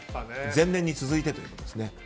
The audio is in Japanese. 前年に続いてということですね。